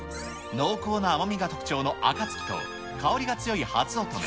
濃厚な甘みが特徴のあかつきと、香りが強いはつおとめ。